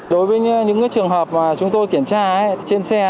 đối với những trường hợp mà chúng tôi kiểm tra trên xe